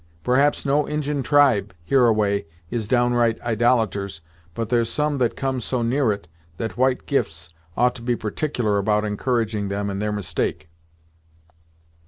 Perhaps no Injin tribe, hereaway, is downright idolators but there's some that come so near it, that white gifts ought to be particular about encouraging them in their mistake."